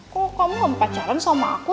kalo kamu gak mau pacaran sama aku